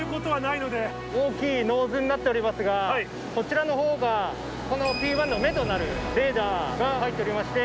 大きいノーズになっておりますが、こちらのほうがこのＰー１の目となるレーダーが入っておりまして。